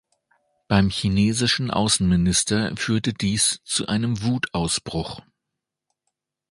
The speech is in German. Beim chinesischen Außenminister führte dies zu einem Wutausbruch.